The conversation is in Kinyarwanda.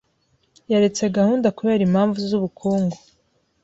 Yaretse gahunda kubera impamvu zubukungu.